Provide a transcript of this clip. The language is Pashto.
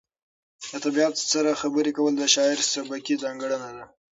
د طبیعت سره خبرې کول د شاعر سبکي ځانګړنه ده.